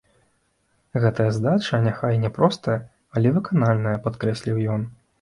Гэтая задача няхай і няпростая, але выканальная, падкрэсліў ён.